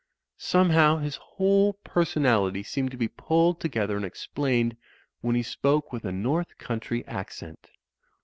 Somehow his whole personality seemed to be pulled together and explained when he spoke with a North Country accent.